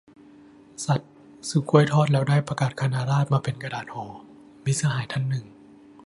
"สัส ซื้อกล้วยทอดแล้วได้ประกาศคณะราษฎรมาเป็นกระดาษห่อ" - มิตรสหายท่านหนึ่ง